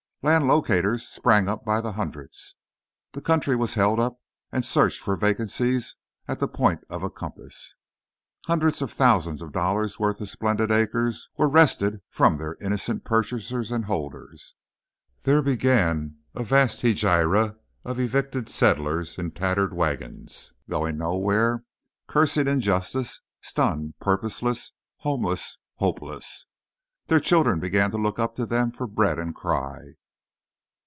Land locators sprang up by hundreds. The country was held up and searched for "vacancies" at the point of a compass. Hundreds of thousands of dollars' worth of splendid acres were wrested from their innocent purchasers and holders. There began a vast hegira of evicted settlers in tattered wagons; going nowhere, cursing injustice, stunned, purposeless, homeless, hopeless. Their children began to look up to them for bread, and cry.